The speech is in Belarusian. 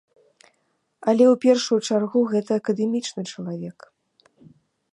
Але ў першую чаргу гэта акадэмічны чалавек.